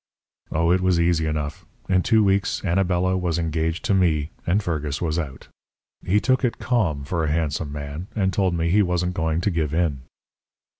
"Oh, it was easy enough. In two weeks Anabela was engaged to me, and Fergus was out. He took it calm, for a handsome man, and told me he wasn't going to give in.